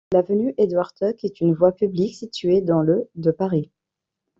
L'avenue Edward-Tuck est une voie publique située dans le de Paris.